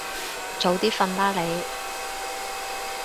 早啲瞓啦你